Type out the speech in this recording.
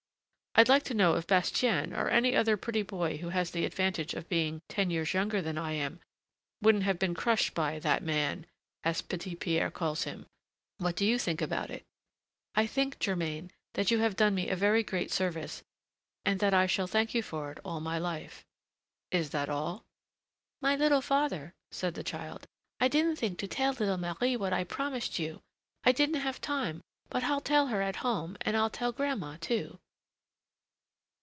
I'd like to know if Bastien, or any other pretty boy who has the advantage of being ten years younger than I am, wouldn't have been crushed by that man, as Petit Pierre calls him: what do you think about it?" "I think, Germain, that you have done me a very great service, and that I shall thank you for it all my life." "Is that all?" "My little father," said the child, "I didn't think to tell little Marie what I promised you. I didn't have time, but I'll tell her at home, and I'll tell grandma, too."